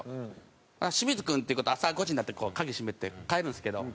シミズ君っていう子と朝５時になって鍵閉めて帰るんですけど。